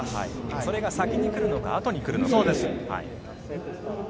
それが先に来るのかあとに来るのかと。